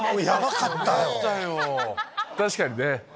確かにね。